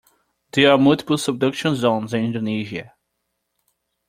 There are multiple subduction zones in Indonesia.